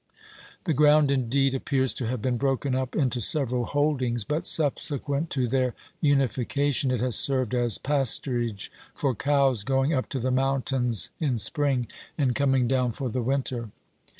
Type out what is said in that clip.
The ground indeed appears to have been broken up into several holdings, but subsequent to their unification it has served as pasturage for cows going up to the mountains in spring and coming down for the winter.